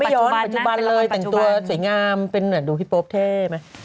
ปัจจุบันเลยแต่งตัวสวยงามเป็นเหมือนดูพี่โป๊ปเท่ไหม